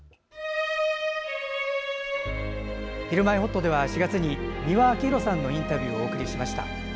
「ひるまえほっと」では４月に美輪明宏さんのインタビューをお送りしました。